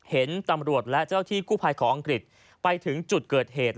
เห็นตำรวจและเจ้าที่กู้ภัยของอังกฤษไปถึงจุดเกิดเหตุ